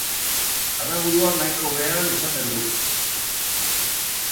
Adaburua nahiko behean izaten du.